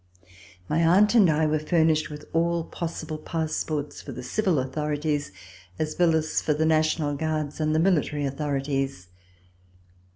My aunt and I were furnished with all possible passports for the civil authorities, as well as for the National Guards and the military authorities.